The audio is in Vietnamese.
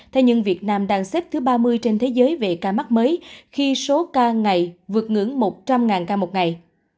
thế nhưng việt nam đang xếp thứ ba mươi trên thế giới về ca mắc mới khi số ca ngày vượt ngưỡng một trăm linh ca một ngày